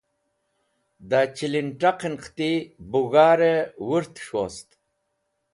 da chilint̃aq'en qiti bu g̃har'ey wurt'esh wost